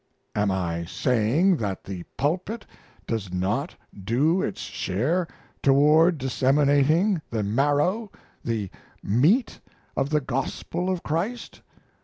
Am I saying that the pulpit does not do its share toward disseminating the marrow, the meat of the gospel of Christ?